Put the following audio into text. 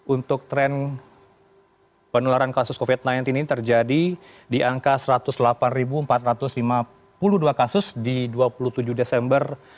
untuk tren penularan kasus covid sembilan belas ini terjadi di angka satu ratus delapan empat ratus lima puluh dua kasus di dua puluh tujuh desember dua ribu dua puluh